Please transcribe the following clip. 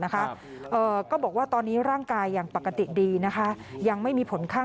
เป็นเข็มที่๓ค่ะ